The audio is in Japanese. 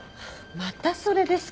またそれですか。